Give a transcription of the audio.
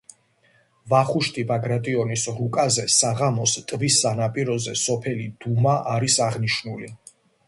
ვახუშტი ბაგრატიონის რუკაზე საღამოს ტბის სანაპიროზე სოფელი დუმა არის აღნიშნული.